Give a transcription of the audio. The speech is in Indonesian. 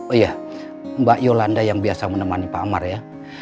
oh iya mbak yolanda yang biasa menemani pak amar ya